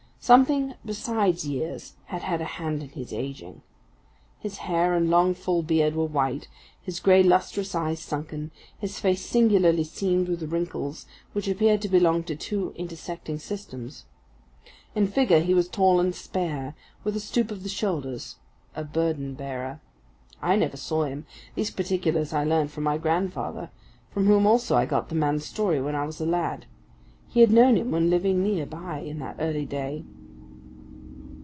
Something besides years had had a hand in his aging. His hair and long, full beard were white, his gray, lustreless eyes sunken, his face singularly seamed with wrinkles which appeared to belong to two intersecting systems. In figure he was tall and spare, with a stoop of the shoulders a burden bearer. I never saw him; these particulars I learned from my grandfather, from whom also I got the man's story when I was a lad. He had known him when living near by in that early day.